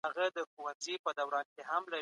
د پوهي په ډګر کي سيالي د بريا کلي ده.